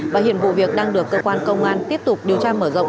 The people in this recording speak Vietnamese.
và hiện vụ việc đang được cơ quan công an tiếp tục điều tra mở rộng